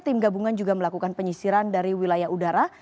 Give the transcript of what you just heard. tim gabungan juga melakukan penyisiran dari wilayah udara